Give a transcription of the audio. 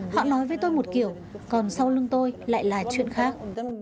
họ nói với tôi một kiểu còn sau lưng tôi lại là chuyện khác